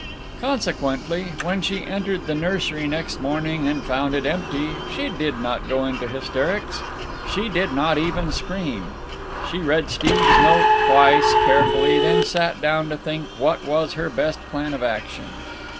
Consequently, when she entered the nursery next morning and found it empty, she did not go into hysterics. She did not even scream. She read Steve's note twice very carefully, then sat down to think what was her best plan of action.